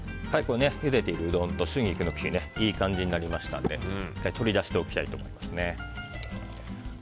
ゆでているうどんと春菊の茎がいい感じになりましたので取り出しておきたいと思いますね。